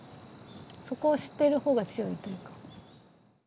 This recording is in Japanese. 底を知っている方が強いというか。